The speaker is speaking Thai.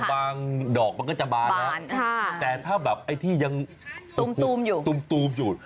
บางดอกมันก็จะบานนะแต่ถ้าแบบที่ยังตูมอยู่